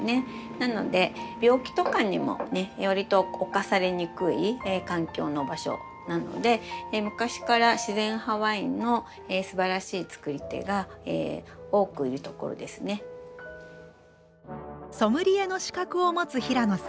なので病気とかにもねわりと侵されにくい環境の場所なので昔から自然派ワインのすばらしいつくり手が多くいる所ですね。ソムリエの資格を持つ平野さん。